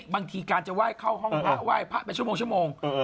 บางทีการจะไหว้เข้าห้องพระไหว้พระเป็นชั่วโมง